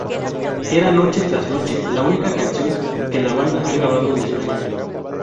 Era "Noche Tras Noche", la única canción que la banda ha grabado en español.